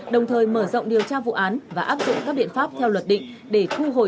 đồng thời mở rộng điều tra vụ án và áp dụng các biện pháp theo luật định để thu hồi triệt để tài sản cho nhà nước